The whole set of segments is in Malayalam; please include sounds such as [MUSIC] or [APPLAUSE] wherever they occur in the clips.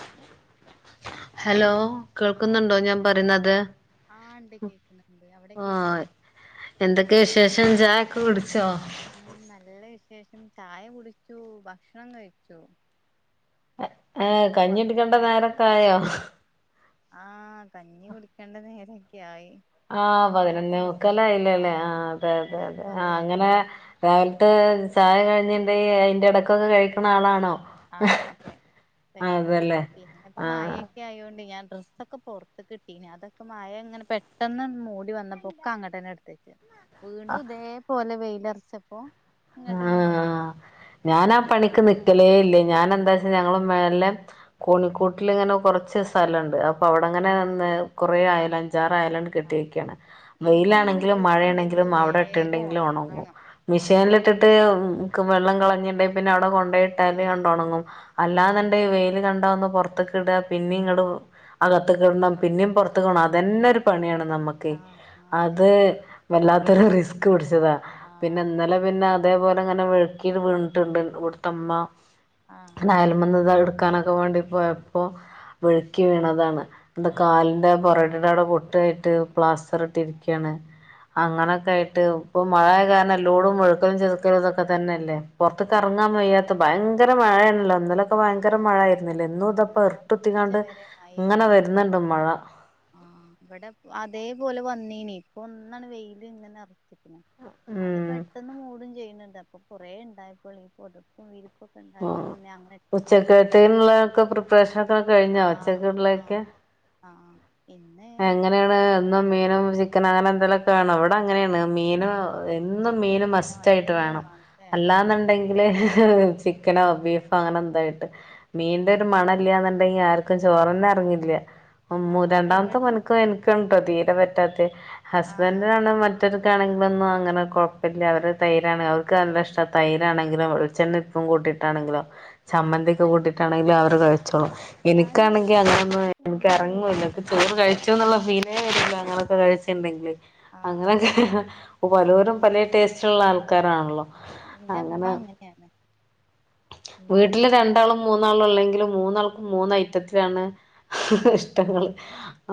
ഹലോ ഹലോ ആഹ് കേൾക്കുന്നുണ്ടോ ഞാൻ കേക്കണല്ലേ പറയുന്നത് ആഹ് ഉണ്ട് കേക്കുന്നുണ്ട് അവിടെ കേക്ക് എന്തൊക്കെയ വിശേഷം ചായക്കെ കുടിച്ചോ ഉം നല്ല വിശേഷം ചായ കുടിച്ചു ഭക്ഷണം കഴിച്ചു ഏഹ് ഇപ്പൊ ഭക്ഷണം കഞ്ഞികുടിക്കണ്ട കഴിച്ചു നേരക്ക ആയോ ആഹ് കഞ്ഞി കുടിക്കേണ്ട നേരൊക്കെ ആയി ആഹ പതിനൊന്ന് കഞ്ഞി കുടി മുക്കാല് ആയില്ലേല്ലേ ആ ആഹ് അതെ അതെ നേരൊക്കെ അതെ ആ കൊറേ ആയി അങ്ങനെ രാവിലത്തെ ചായ കഴിഞ്ഞിട്ട് അയിന്റെ ഇടക്കൊക്കെ കഴിക്കണ ആളാണോ ആഹ് അതെ കഴിക്കൂം അതല്ലേ പിന്നെ ഇപ്പോ ആ മയ ആയൊണ്ട് ഞാൻ ഡ്രസ്സൊക്കെ പുറത്ത് കിട്ടീ അതൊക്കെ മഴ ഇങ്ങനെ പെട്ടെന്ന് മൂടി വന്നപ്പോക്കെ അങ്ങോട്ടേന്നെ എടുത്ത് വീണ്ടും ഇതേപോലെ വെയിലറച്ചപ്പോ ഇങ്ങട്ടന്നെ ഇടാ ഞാൻ ആ പണിക്ക് നിക്കലേ ഇല്ലേ ഞാൻ എന്താ ഞങ്ങള് മേലെ കോണിക്കൂട്ടിൽ ഇങ്ങനെ കുറച്ച് സ്ഥലമുണ്ട് അപ്പോ അവിടെങ്ങനെ ആ കുറ ആയാലും അവിടെ അഞ്ചാറായയാലും കെട്ടി ആഹ് വെക്കുകയാണ് ഇനിക്കാണെങ്കി വെയിലാണെങ്കിലും ഡ്രസ്സ് ഉണ്ടെങ്കി മഴയാണെങ്കിലും അവിടെ ഇട്ടിട്ട് വേഗം ഉണ്ടെങ്കിലേ ഒണങ്ങു ഒണക്കണം ആഹ് മെഷീനിൽ ട്ടിട്ട് വെള്ളം കളഞ്ഞിട്ട് പിന്നെ അവിടെ കൊണ്ട് പോയിട്ടാല് ണ്ട് ഒണങ്ങും ആഹ് അല്ലാന്നണ്ട ഈ വെയില് കണ്ടാന്ന് പുറത്തു കത്ത് ഇട പിന്നും ഇങ്ങനെ ആകത്തക്ക്കിടണം പിന്നും പുറത്തക്ക് കിടണം അതന്നെ ഒരു പണിയാണ് നമ്മുക്ക് ആഹ് അതെ അത് വല്ലാത്തൊരു റിസ്ക് പിടിച്ചതാ പിന്നെ ആഹ് ഇന്നലെ പിന്നെ അതേപോലെ ഇങ്ങനെ വെഴുക്കി വീണിട്ടുണ്ട് ഇവിടുത്തെമ്മ ആഹ് അയല്മ്മെന്നത് എടുക്കാനൊക്കെ വേണ്ടിപ്പോയപ്പോ വഴുക്കി വീണതാണ് കാലിന്റെ പൊറടിയുടെ അവിടെ പൊട്ടായിട്ട് പ്ലാസ്റ്റർ ഇട്ടി ഇരിക്കുകയാണ് അങ്ങനെയൊക്കെ ആയിട്ട് ഇപ്പൊ മഴയ കാരണം എല്ലോടും വഴുക്കലും ചെയ്തു പതൊക്കെ തന്നെയല്ലേ പുറത്തക്ക് ഉം ഇറങ്ങാൻ വയ്യാത്ത ഭയങ്കര മഴയണല്ലോ അതെ ഇന്നലൊക്കെ ഭയങ്കര ആഹ് മഴ ഇന്നലെ ആയിരുന്നില്ല ഇന്നും ഇതപ്പോ മിനിഞ്ഞാന്ന് ഉച്ച ഇരട്ട്ത്തിക്കാണ്ട് വരെ മഴേനി ഇങ്ങനെ ഇന്നും വരുന്നുണ്ട് മഴ ആഹ് ഇവിടെ അതേപോലെ വന്നീനി ഇപ്പൊ ഒന്നാണ് വെയില് ഇങ്ങനെ അത് ഉം പെട്ടെന്ന് മൂടും ചെയ്യുന്നുണ്ട് അപ്പൊ കുറേ ഉണ്ടായപ്പോ പൊതപ്പും വിരിപ്പുംഒക്കെ ആ ഉച്ചക്കത്തേുള്ളൊക്കെ പ്രിപ്പറേഷനൊക്കെ കഴിഞ്ഞാ ആഹ് ഉച്ചക്കള്ളേക്കെ ആഹ് ആഹ് പിന്നെ എങ്ങനെയാണ് എന്നും മീനും ചിക്കനും അങ്ങനെ എന്തെലുമൊക്കെ വേണോ അവി ടെ അങ്ങനെയാണ് ചിക്കൻ മീന് എന്നും മീൻ ചിക്കനോ മസ്റ്റ് ആയിട്ട് എന്തെങ്കിലും വേണം വേണല്ലേ ആഹ് അല്ലാന്നുണ്ടെ ങ്കില് ചിക്കനോ ബീഫോ അങ്ങനെ എന്താട്ട് മീന്റെ ഒരു ആഹ് മണയില്ലാന്ന് [UNINTELLIGIBLE] ചോറന്നെ അറങ്ങില്ല. ഉം ആഹ് രണ്ടാ ഇവിടെ ഇപ്പൊ എൻക്കാണ് ട്ടോ തീരെ പറ്റാത്ത്. ആഹ് ഹസ്ബൻഡിനാണ് മറ്റ മറ്റർക്കാണെങ്കിലൊന്നും അങ്ങനെ കുഴപ്പല്ല. അവര് [UNINTELLIGIBLE] ആഹ് അവർക്ക് നല്ല ഇഷ്ട തൈരാണെങ്കിലും വെളിച്ചെണ്ണിം ഇപ്പും കൂട്ടിട്ടാണെങ്കിലോ ചമ്മന്തി ഒക്കെ കഴിക്കുംല്ലേ കൂട്ടിട്ടാണെങ്കിലും അവര് കഴിച്ചോളും. ഞാനും എനിക്കാണെങ്കി കഴിക്കും ഞാൻ അങ്ങനൊന്നും എനിക്ക് ചമ്മന്തി എറങ്ങൂല്ല [UNINTELLIGIBLE] കൂട്ടിയിട്ടാണെങ്കിലും കഴിച്ചൂന്ന്ള്ള ഫീലേ ഞാൻ വരൂല കഴിക്കും അങ്ങനൊക്കെ കഴിച്ച്ണ്ടെങ്കില് ആഹ് അങ്ങനെക്കെ പലോരും പലേ ടേസ്റ്റ്ള്ള ആൾക്കാരാണ ആഹ് ഇന്റെമ്മ അങ്ങനെയാണ് ഉമ്മാക്ക് വീട്ടില് മീനോ രണ്ടാളും മൂന്നാളും ഉള്ളെങ്കിലും മൂന്നാൾക്കും മൂന്ന് ഐറ്റത്തിലാണ് ഇഷ് ടങ്ങൾ ആഹ്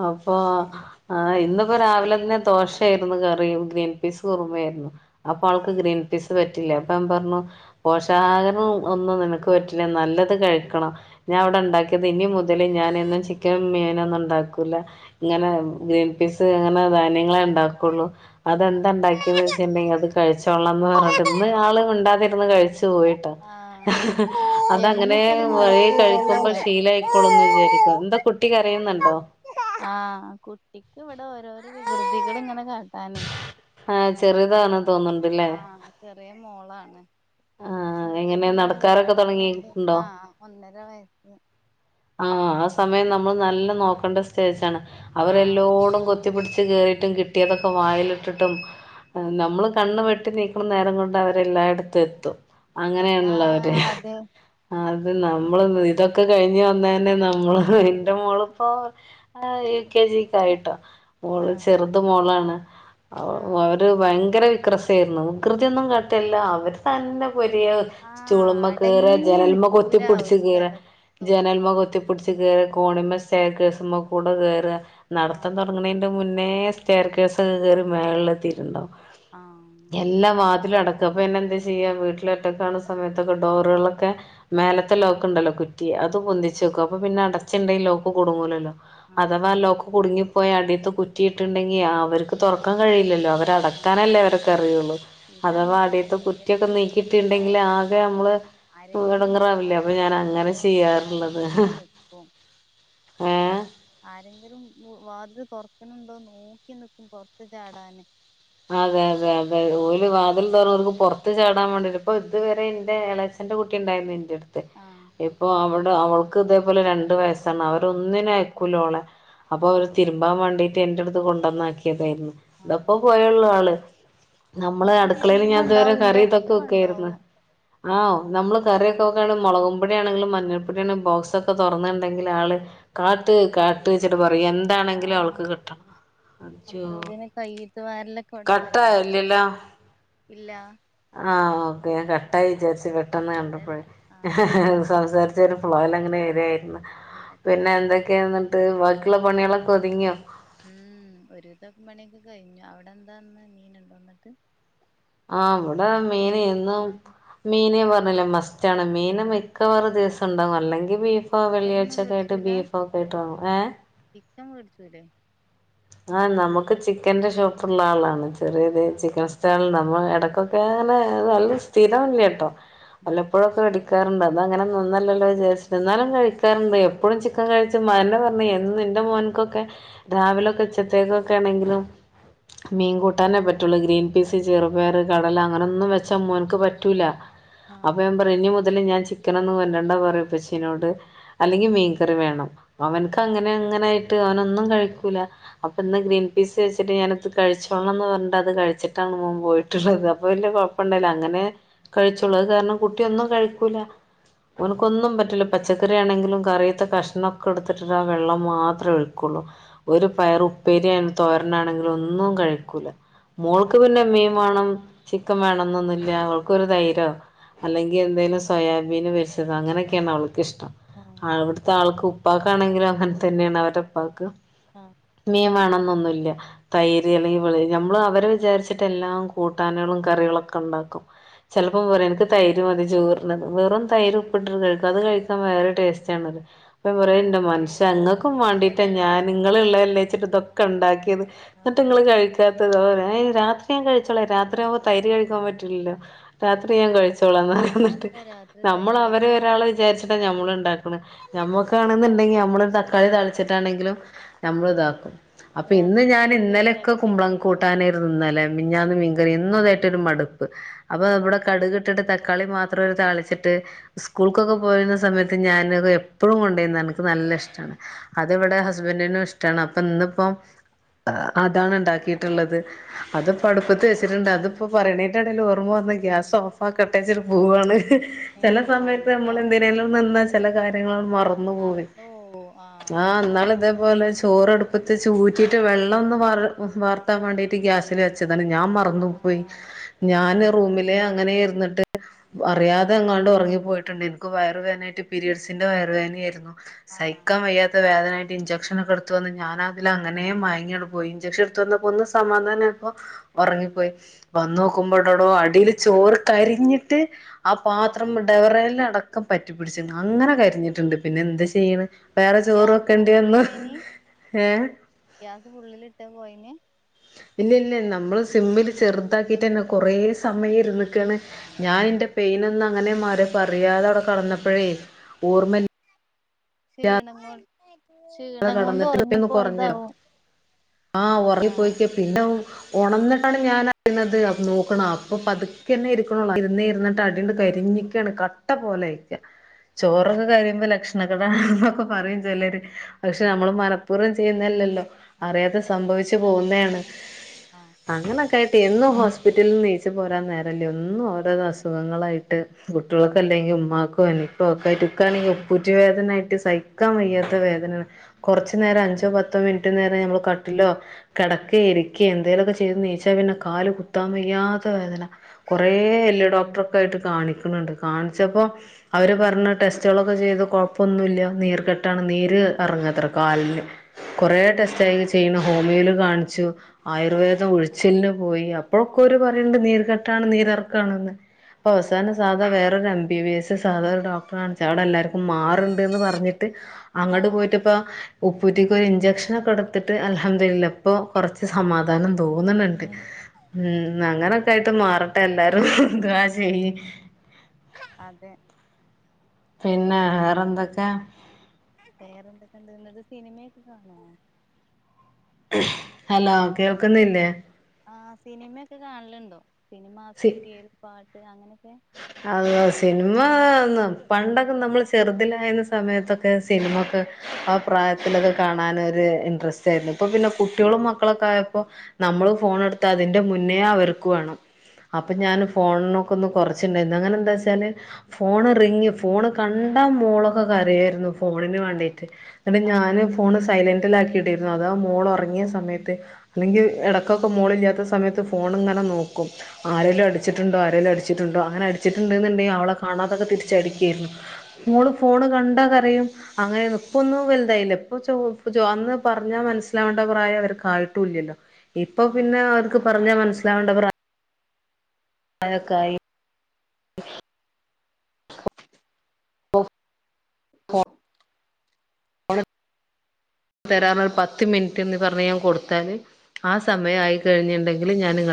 അപ്പോ അതെ ആഹ് ഇന്ന്പ്പൊ രാവിലന്നെ ദോശയായിരുന്നു കറിയും ഗ്രീൻ പീസ് കുറുമയായിര്ന്നു അപ്പൊ ആൾക്ക് ഗ്രീൻ പീസ് പറ്റില്ല. അപ്പ യാം പറഞ്ഞു പോഷകാഹാരം ഒന്നും നിനക്ക് പറ്റില്ല നല്ലത് കഴിക്കണം ഞാ ഇവ്ടെണ്ടാക്കിയത് ഇനി മുതല് ഞാനെന്നും ചിക്കനും മീനും ഒന്നുംണ്ടാക്കൂല ഇങ്ങനെ ഗ്രീൻ പീസ് അങ്ങനെ ധാന്യങ്ങളെ ണ്ടാക്കൊള്ളൂ അതെന്താണ്ടാക്കിയത് വെച്ചിട്ടെങ്കി അത് കഴിച്ചോളണംന്ന് പറഞ്ഞിട്ട് ഇന്ന് ആള് മിണ്ടാതിരുന്ന് കഴിച്ചു പോയി ട്ടോ ആഹ് അതങ്ങനേ എന്നുപ്പ ഇത് വഴിയെ കഴിക്കുമ്പോൾ നടക്കൂലല്ലോല്ലേ ശീലായി ക്കോളും ന്ന് വിചാരിക്കും. എന്താ കുട്ടി കരയുന്ന്ണ്ടോ ആഹ് കുട്ടിക്ക് ഇവ്ടെ ഓരോരോ വികൃതികള് ഇങ്ങനെ കാട്ടാന് ആഹ് ചെറുതാണ് തോന്നുന്നുണ്ട്ല്ലേ ആഹ് ചെറിയ മോളാണ് ആഹ് എങ്ങനെ ഞാന്ങ്ങനെ നടക്കാറൊക്കെ വിളിക്കാം വേണ്ടി തുടങ്ങിയിട്ടുണ്ടോ ആഹ് ഒന്നര വയസ്സ് ആഹ് ആ സമയം നമ്മൾ നല്ല നോക്കണ്ട സ്റ്റേജാണ്. ആഹ് അവരെല്ലോടും കു കുത്തി പിടിച്ച് കേറീട്ടും കിട്ടിയതൊക്കെ വായില്ട്ട്ട്ടും നമ്മള് കണ്ണ് വെ [UNINTELLIGIBLE] നേരം കൊണ്ട് അവര് എല്ലായിടത്തും എത്തും. അങ്ങനെയാണല്ലോ അവര് ആഹ് അതെ അത് നമ്മളും ഇതൊക്കെ കഴിഞ്ഞ് വന്നയ്ന്നെ നമ്മളും എന്റെ ആഹ് മോള്പ്പോ [UNINTELLIGIBLE] യു കെ ജിക്ക് ആയിട്ടോ. മോള് ആഹ് ചെറുത് മോളാണ് അവ ആഹ് [UNINTELLIGIBLE] ഭയങ്കര വിക്രസേര്ന്നു. വികൃതിയൊന്നും കാട്ടല്ല അവര് തന്നെ പൊരിയാ ആഹ് സ്റ്റൂള്മ്മെ കേറ അടങ്ങി ജനൽമ്മെ നിക്കൂല കൊത്തിപ്പുടിച്ച് ഒരു കേറ സ്ഥലത്തും ജനൽ മ്മെ കൊത്തിപുടിച്ച് കേറാ കോണിമ്മെ സ്റ്റെയർ ക്കേഴ്‌സ്മ്മക്കൂടെ കേറ. നടത്തം ആഹ് തൊട ട്ങ്ങ്ണീന്റെ മുന്നേ സ്റ്റേർ കേഴ്‌സ് ഒക്കെ കേറി മേൾലെത്തിയിട്ട്ണ്ടാവും ആഹ് എല്ലാ വാതിലും അങ്ങനെ അടക്ക അപ്പ തന്നെ പ്പിന്നെ എന്താ ചെയ്യാ വീട്ടില് ട്ടിലൊറ്റക്കാണ സമയത്തൊക്കെ ഡോറോളൊക്കെ മേലത്തെ ലോക്ക്ണ്ടല്ലോ കുറ്റി അത് പൊ ആഹ് ച്ചേക്കും. അപ്പൊ പിന്നെ അടച്ച്ണ്ടെ ലോക്ക് കുടുങ്ങൂലല്ലോ. ആഹ് അഥവാ ലോക്ക് കുടുങ്ങി പോയി അടീത്തെ കുറ്റീട്ട്ണ്ടെങ്ങി അവർക്ക് തുറക്കാൻ കഴിയില്ലല്ലോ. അവര് ആഹ് അടക്കാനല്ലേ ആഹ് അവര്ക്ക്‌ അറിയൊള്ളൂ അഥവാ ഇതങ്ങനെ തന്നെ അടീത്തെ വീടിന്റെ കുറ്റിയൊക്കെ ഉള്ളിലിട്ടാ നീക്കിയിട്ട്ണ്ടെങ്കില് ആകെ അമ്മള് [UNINTELLIGIBLE] ആരെങ്കിലും എടങ്ങറാവില്ലേ. അപ്പൊ ഞാൻ അങ്ങനെ ചെയ്യാറ്ള്ളത് ഇങ്ങനെ നിക്കും ആരെങ്കിലും വാതില് തൊറക്ക് ണ്ണ്ടോ നോക്കി ന്ക്കും പൊറത്ത് ചാടാന് അതെ അതെ അതെ ആഹ് ഓല് വാ [UNINTELLIGIBLE] പൊറത്ത് ചാടാൻ വേണ്ടിട്ട്. ഇപ്പൊ ഇതുവരെ ഇന്റെ എളേച്ഛന്റെ കുട്ടിണ്ടായിരുന്നു ഇന്റെ അട്ത്ത് ആഹ് ഇപ്പൊ അവൾടെ അവൾക്ക് ഇതേപോലെ രണ്ട് വയസ്സാണ്. അവര് ഒന്നിനയക്കൂല ഓളെ. അപ്പോ ആഹ് അവര് തിര് തിര്മ്പാ വേണ്ടീട്ട് ഇന്റെറ അടുത്ത് കൊണ്ടന്നാക്കിയതായിരുന്നു. ഇത ആഹ് ഇപ്പൊ പോയെള്ളു ആള് നമ്മള് ഞാൻ അടുക്കളയില് തിരുമ്പുമ്പോ ഞാ ഇതുവരെ ഉണ്ടാവും ഇന്റെ കറി ഇതൊക്കെ ഒപ്പം വെക്കായിരുന്നു ഉണ്ടാവും ആഹ് നമ്മള് കറിയൊക്കെ വെക്കാണെങ്കി മുളകും പൊടി ആണെങ്കിലും മഞ്ഞൾപ്പൊടി ആണെങ്കിലും ബോക്സൊക്കെ തൊറന്ന്ണ്ടെങ്കില് ആള് കാട്ട് കാട്ട്ച്ച്ട്ട് പറയും. എന്താണെങ്കിലും ആഹ് അവൾക്ക് കിട്ടണം. അജ്ജോ അപ്പോതിന് കയ്യിട്ട് വാര്ല് കട്ടായോ ഇല്ലല്ലോ ഇല്ല ആഹ് ഓക്കെ ഞാൻ കട്ടായി വിചാരിച്ച് പെട്ടെന്ന് നീന്തല്ല കണ്ടപ്പൊഴേ ആഹ് സംസാരിച്ചു ഒരു ഫ്ളോയൽ അങ്ങനെ വര്യായിരുന്നു. പിന്നെ തെറ്റായി എന്തൊ ക്കെ ഇന്നിട്ട് ഭാക്കിള്ള പണികളൊക്കെ ഒത്ങ്യോ? ഉം ഒരു വിതം പ്പൊ പണിയൊക്കെ കഴിഞ്ഞു അവിടെന്താന്ന് മീൻ ഇണ്ടോന്നത്ത് ആഹ് അവിടെ മീന് എന്നും മീനേ പറഞ്ഞില്ലേ മസ്റ്റാണ് മീന ആഹ് ക്കെ വേറെ ദിവസണ്ടാവും അല്ലെങ്കി ബീഫോ എന്നും വെള്ളിയഴ്ചക്ക ആയിട്ട് വേടിച്ചൂല ബീഫോ ഒക്കെ ഇട്ടാങ്ങും ഏഹ് ചിക്കൻ മേടിച്ചുല്ലേ. ആഹ് നമുക്ക് ചിക്കന്റെ ഷോപ്പുള്ള ആളാണ് ചെറിയത് ആഹ് ചിക്കൻ സ്റ്റാൾ നമ്മ ഇടക്കൊക് ക്കെ അങ്ങനെ നല്ല സ്ഥിരം ഇല്ല്യ ട്ടൊ ഉം വല്ലപ്പോഴൊ ക്കെ മേടിക്കാറുണ്ട് അത് അങ്ങനെ നന്നല്ലല്ലോ വിചാരിച്ചിട്ട് എന്നാലും കഴിക്കാറുണ്ട് എപ്പൊഴും ചിക്കൻ കഴിച് [UNINTELLIGIBLE] പർഞ്ഞ് എന്നും എന്റെ മോൻക്കൊക്കെ രാവിലൊക്കെ ഉച്ചത്തേക്കൊക്കെ ആണെങ്കിലും മീൻ കൂട്ടാനേ പറ്റുള്ളൂ ഗ്രീൻ പീസ് ചെറുപയറ് കടല അങ്ങനൊന്നും വെച്ചാ മോൻക്ക് പറ്റൂല. അപ്പൊ ആഹ് ഞാൻ പറയും ഇനി മുതല് ഞാൻ ചിക്കനൊന്നും കൊണ്ടെര്ണ്ട പറയും ഉപ്പച്ചീനോട്. അല്ലെങ്കി മീൻകറി വേണം അവൻക്ക് അങ്ങനെ അങ്ങനെയിട്ട് അവനൊന്നും കഴിക്കൂല. അപ്പൊ ഇന്ന് ഗ്രീൻ പീസ് വെച്ചിട്ട് ഞാനത് കഴിച്ചോളന്ന് പറഞ്ഞിട്ട് അത് കഴിച്ചിട്ടാണ് മോൻ പോയിട്ടുള്ളത് അപ്പൊ വല്ല്യ കൊഴ പ്പൊണ്ടല്ല അങ്ങനെ കഴിച്ചോളും അത് കാരണം കുട്ടി ഒന്നും കഴിക്കൂല. ഓൻക്കൊന്നും പറ്റില്ല പച്ചക്കറി ആണെങ്കിലും കറിത്തെ കഷ്ണൊക്കെ എടുത്തിട്ട് ആ വെള്ളം മാത്രേ ഒഴിക്കുള്ളൂ. ഒരു പയർ ഉപ്പേരി അണെങ്കിലും തോരനാണെങ്കിലും ഒന്നും കഴിക്കൂല. മോൾക്ക് പിന്നെ മീൻ വേണം ചിക്കൻ വേണംന്നൊന്നുല്ല അവൾക്കൊരു തൈരോ. അല്ലെങ്കി എന്തേലും സോയാബീന് പൊരിച്ചതോ അങ്ങനൊക്കെയാണ് അവൾക്ക്ഷ്ടം. ഉം ആഹ് അവിടുത്തെ ആൾക്ക് ഉപ്പാക്കാണെങ്കിലും അങ്ങൻതന്നെയാണ് അവരുടെ ഉപ്പാക്ക്. ആഹ്. മീം വേണെന്നൊന്നുല്ല. തൈര് അല്ലെങ്കിൽ ഇവെള് ഞമ്മള് അവരെ വിചാരിച്ചിട്ട് എല്ലാം കൂട്ടാന്കളും കറികളൊക്കണ്ടാക്കും. ചെലപ്പം പറയും എനക്ക് തൈ ര് മതി ചോറിന് വെറും തൈര് ഉപ്പിട്ടിട്ട് കഴിക്കും അത് കഴിക്കാൻ വേറെ ടേസ്റ്റ് ആണത്. ഇപ്പ ആഹ് പറയണ്ട് പണ്ടത്തെ മനുഷ്യ പോലെ ഇങ്ങക്കും വേണ്ടിട്ടാ ഞാന് സ്പെഷ്യലാണല്ലോ നിങ്ങളുള്ളല്ലെ ഇതൊക്കെ ഇണ്ടാക്കിയത് എന്നിട്ട്ങ്ങള് ആഹ് കഴി കഴിക്കാത്തത് രാത്രി ഞാൻ കഴിച്ചോളെ രാത്രി ആവുമ്പോ തൈര് കഴിക്കാൻ പറ്റൂല്ലല്ലോ. രാത്രി ഞാൻ കഴിച്ചോളാന്ന് പറയും എന്നിട്ട് അതെന്താ രാത്രി നമ്മള് തൈര് അവരെ കഴിച്ച ഒരാള വിചാരിച്ചിട്ട കഴിച്ചാല് ഞമ്മള് ഇണ്ടാക്കണെ നമ്മക്ക് ഇതാണെന്നുണ്ടെങ്കി നമ്മളൊരു തക്കാളി താളിച്ചിട്ടാണെങ്കിലും നമ്മള് ഇതാക്കും. അപ്പൊ ഇന്ന് രാത്രി ഞാന് തൈര് കഴിച്ചാല് ഇന്നലൊക്കെ എന്തെങ്കിലും കുമ്പളങ്ങ ഉണ്ടോ കൂട്ടാന് ഇന്നലെ മിഞ്ഞാന്ന് മീൻകറി എന്നും ഇതായിട്ടൊരു മടുപ്പ് അപ്പൊ ഉം ബ്ട കടുക് ട്ടിട്ട് തക്കാളി മാത്രം ഒരു താളിച്ചിട്ട്. സ്കൂൾക്കൊക്കെ പോയിരുന്ന സമയത്ത് ഞാനത് എപ്പൊഴും കൊണ്ടയിരുന്നു എനക്ക് നല്ല ഇഷ്ടാണ്. അത് ഇവിടെ ആഹ് ഹസ്ബന്റിനും ഇഷ്ട്ടാണ് അപ്പൊ ഇന്നിപ്പോ. അതാണ് ഉണ്ടാക്കിയിട്ടുള്ളത്. അത് ഇപ്പം അടുപ്പത്ത് വെച്ചിട്ടുണ്ട് അതിപ്പോ പറയണ ഇടേല് ഓർമ്മ വന്ന് ഗ്യാസ് ഓഫ് ആക്കട്ടെ വെച്ചിട്ട് പൂവാണ്. ചില ഏഹ് സമയത്ത് നമ്മൾ കരിഞ്ഞോ എന്തിനേലും നിന്ന ചില കാര്യങ്ങൾ മറക്കും മറന്ന് പോവും മറന്നു പോവും ആഹ് ആ ഇന്നാള് ഇതേപോലെ. ചോറടുപ്പത്ത്ച്ച് ഊറ്റിട്ട് വെള്ളം ഒന്ന് വാർത്താൻ വേണ്ടിയിട്ട് ഗ്യാസിൽ വെച്ചതാണ് ഞാൻ മ റന്നു പോയി ആഹ് ഞാൻ റൂമില് അങ്ങനെ ഇരുന്നിട്ട്. അറിയാതെ എങ്ങാണ്ട് ഉറങ്ങി പോയിട്ടുണ്ട് എനിക്ക് വയർ വേനായിട്ട് പീരയഡ്സിൻ്റെ വയർ വേദനയായിരുന്നു. സഹിക്കാൻ വയ്യാത്ത വേദനയായിട്ട് ഇൻജെക്ഷന് ഒക്കെ എടുത്തുവന്ന് ഞാൻ അതില് അങ്ങനെ മയങ്ങിട്ടു പോയി ഇഞ്ചെക്ഷൻ എടുത്ത് വന്നപ്പോ ഒന്ന് സമാധാനം അപ്പൊ ഉറങ്ങിപ്പോയി. വന്ന് ആഹ് നോക്കുമ്പോണ്ടടോ അടിൽ ചോറ് കരിഞ്ഞിട്ട് ആ പാത്രം ആഹ് ഡെവറല്ലാ അട ക്കെ പറ്റി പിടിച്ണ് അങ്ങനെ കരിഞ്ഞിട്ടുണ്ട് പിന്നെ എന്താ ചെയ്യണ് വേറെ ചോറ് ഗ്യാസ് വെക്കണ്ടി വന്ന്. ഫുള്ളിലേനി ഏഹ് ഗ്യാസ് ഫുള്ളിലിട്ട പോയിനെ ഇല്ല ഇല്ല നമ്മള് സിമ്മിൽ ചെറുതാക്കിയിട്ടെന്നെ കുറെ സമയം ഇരുന്ന്ക്കാണ് ആഹ് ഞാൻ ൻ്റെ പെയിനൊന്നങ്ങനെ മാറി പറിയാതെ അവിടെ കടന്നപ്പഴേ ആഹ് ക്ഷീണം കൊണ് ക്ഷീ കടന്നിട്ട് ഒന്ന് കൊറഞ്ഞോ ആ ആഹ് ഉറങ്ങിപ്പോയിക്ക പിന്നെ ഉണന്നിട്ടാണ് ഞാൻ അറിയുന്നത് നോക്കണം അപ്പൊ പതുക്കെന്നെ ഇരിക്കണൊളളു ഇരുന്ന് ഇരുന്നിട്ട് അടീണ്ട് കരിഞ് ണ് കട്ട പോലെയി ആഹ് ചോറൊക്കെ കര്യുമ്പം ലക്ഷണക്കേടാന്നൊക്കെ പറയും ചെലര് പക്ഷെ ആഹ് നമ്മൾ മനപ്പൂർവം ചെയ്യുന്നല്ലല്ലോ അതെ അറിയാതെ സംഭവിച്ചു അറിയാതെ പോകുന്നേണ് ആഹ് അങ്ങനൊക്കായിട്ട് എന്നും ഹോസ്പിറ്റലിൽന്ന് നീച്ച് പോരാൻ നേരല്ല എന്നും ഓരോരോ അസുഖങ്ങളായി ട്ട് കുട്ടികൾക്കല്ലെങ്കിൽ ഉമ്മാക്കോ എനിക്കോ ഒക്കെആയിട്ട് ഇൻക്കാണെങ്കി ഉപ്പൂറ്റുവേദനായിട്ട് സഹി ക്കാൻ വയ്യാത്ത വേദനാണ് കൊറച്ചു നേരം അഞ്ചോ പത്തോ മിനിറ്റ് നേരം നമ്മൾ കട്ടിലോ കെടക്കെ ഇരിക്കെ എന്തേലൊക്കെ ചെയ്ത് നീച്ചാ പിന്നെ കാല് കുത്താൻ വയ്യാത്ത വേദന കൊറെ എല്ല് ഡോക്ടറൊക്കെ ആയിട്ട് കാണിക്ക്ണുണ്ട് കാണിച്ചപ്പോ അവര് പറഞ്ഞു ടെസ്റ്റുകളൊക്കെ ചെയ്ത് കുഴപ്പൊന്നുല്ല നീർ കെട്ടാണ് നീര് പറഞ്ഞത്രേ കാലിന് കുറെ ഏഹ് ടെസ്റ്റായി ചെയ്യണ് ഹോമിയോയിൽ കാണിച്ചു ആയുർവേദം ഉഴിച്ചിലിന് പോയി അപ്പോഴൊക്കോര് പറയണ്ട് നീർ കെട്ടാണ് നീരെറക്കാണ്ന്ന് അപ്പൊ അവസാനം സാധാ വേറൊരു എം ബി ബി എസ് സാധാ ഒരു ഡോക്ടർ കാണിച്ച് അവിടെ എല്ലാർക്കും മാറുണ്ട്ന്ന് പറഞ്ഞിട്ട് അങ്ങോട്ട് ആഹ് പോയിട്ട്പ്പ ഉപ്പൂറ്റിക്ക് ഒരു ഇഞ്ചെക്ഷനൊക്കെ എടുത്തിട്ട് അൽഹംദുലില്ലാ ഇപ്പൊ കുറ ച്ച് സമാധാനം തോന്ന്ണണ്ട് ഏഹ് ഉം അങ്ങനൊക്കെ ആയിട്ട് മാറട്ടെ എല്ലാരും ദുആ ചെയ്യി അതെ പിന്നെ വേറെന്തൊക്കെ വേറെന്തൊക്കെണ്ട് ങ്ങൾ സിനിമയൊക്കെ കാണോ ഹലോ കേൾക്കുന്നില്ലേ ആ സിനിമയൊക്കെ കാണലുണ്ടോ സിനിമ സി സീരിയൽ പാട്ട് അങ്ങനെയൊക്കെ അള്ളാ സിനിമ ഒന്നും പണ്ടൊക്കെ നമ്മൾ ചെറുതിലായുന്ന സമയത്തൊക്കെ സിനിമക്കൊ ആ പ്രായത്തിലത് കാണാനൊര് ഇൻട്രസ്റ്റ് ആയിരുന്നു ഇപ്പൊ പിന്നെ കുട്ടികളും മക്കളൊക്കെ ആയപ്പോ നമ്മള് ഫോണെടുത്താ അതിന്റെ മുന്നേ അവർക്ക് വേണം അപ്പം ഞാൻ ആഹ് ഫോണിനൊക്കെ ഒന്ന് കുറച്ചുണ്ടായിരുന്നു അങ്ങനെന്താ വെച്ചാൽ ഫോണ് റിങ്ങ് ഫോണ് കണ്ടാ മോളൊക്കെ കരയായിരുന്നു ഫോണിന് വേണ്ടീട്ട് എന്നിട്ട് ആഹ് ഞാന്പ്പം ഫോണ് സൈലൻറിലാക്കിടേരുന്നു അതാ മോൾ ഉറങ്ങിയ സമയത്ത് അല്ലെങ്കി ഇടക്കൊക്കെ മോളില്ലാത്ത സമയത്ത് ഫോണിങ്ങനെ നോക്കും ആരെലും അടിച്ചിണ്ടോ ആരെലും അടിച്ചിട്ടുണ്ടോ അങ്ങനെ അടിച്ചിട്ടുണ്ട്ന്നുണ്ടെങ്കിൽ അവളെ കാണാതൊക്കെ തിരിച്ചടിക്കയായിരുന്നു മോൾ ഫോണ് കണ്ടാ കരയും അങ്ങനെന്നും പ്പൊന്നും വലുതായില്ല ഇപ്പൊ ചൊ അന്ന് പറഞ്ഞാൽ മനസ്സിലാവേണ്ട പ്രായവർക്കായിട്ടുല്ലല്ലോ ഇപ്പൊ ആഹ് പിന്നെ അവർക്ക് പറഞ്ഞാൽ മനസ്സിലാവേണ്ട പ്രാ പ്രായക്കായി [UNINTELLIGIBLE] തരാറഞ്ഞ് പത്ത് മിനിറ്റ് ന്ന് പറഞ്ഞ് ഞാൻ കൊടുത്താല് ആ സമയാആയി കഴിഞ്ഞ്ണ്ടെങ്കിൽ ഞാൻ ങ്ങ